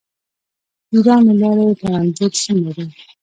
د ایران له لارې ټرانزیټ څومره دی؟